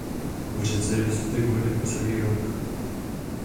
V řece je dostatek vody po celý rok.